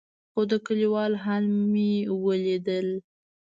خو د کليوالو حال چې مې وليد.